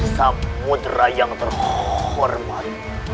samudera yang terhormat